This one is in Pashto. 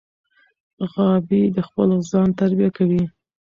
غابي د خپل ځان تربیه کوي.